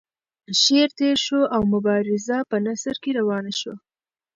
شعر تیر شو او مبارزه په نثر کې روانه شوه.